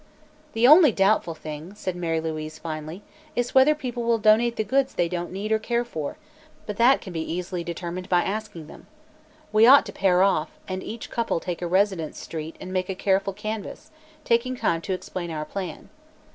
"The only doubtful thing," said Mary Louise, finally, "is whether the people will donate the goods they don't need or care for, but that can be easily determined by asking them. We ought to pair off, and each couple take a residence street and make a careful canvass, taking time to explain our plan.